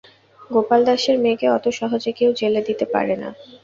গোপাল দাসের মেয়েকে অত সহজে কেউ জেলে দিতে পারে না।